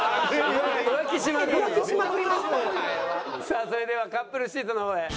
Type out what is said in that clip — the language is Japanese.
さあそれではカップルシートの方へ。